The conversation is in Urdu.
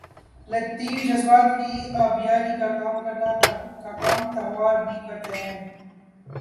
لطیف جذبات کی آبیاری کا کام تہوار بھی کرتے ہیں۔